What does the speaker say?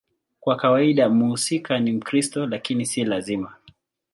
Kwa kawaida mhusika ni Mkristo, lakini si lazima.